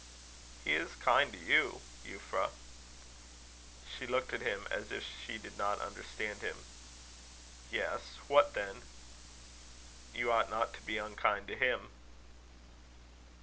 "He is kind to you, Euphra." She looked at him as if she did not understand him. "Yes. What then?" "You ought not to be unkind to him."